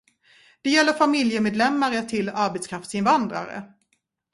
Det gäller familjemedlemmar till arbetskraftsinvandrare.